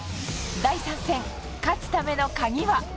第３戦、勝つための鍵は。